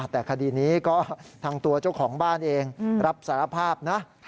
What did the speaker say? แต่คดีนี้ก็ทางตัวเจ้าของบ้านเองรับสารภาพนะ